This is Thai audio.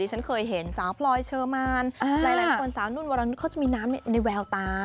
ฉันเคยเห็นสาวพลอยเชอร์มานหลายคนสาวนุ่นวรนุษยเขาจะมีน้ำในแววตา